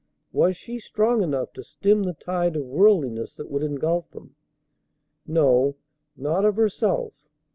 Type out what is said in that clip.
Was she strong enough to stem the tide of worldliness that would ingulf them? No, not of herself.